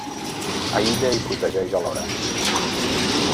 Aïlla i protegeix alhora.